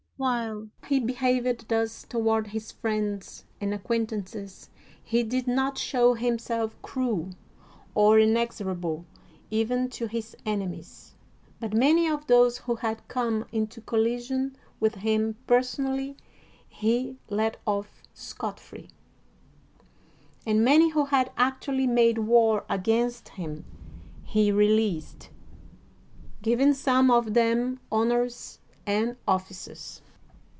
While he behaved thus toward his friends and acquaintances, he did not show himself cruel or inexorable even to his enemies, but many of those who had come into collision with him personally he let oflf scotf ree, and many who had actually made war against him he released, giving some of them honors and offices.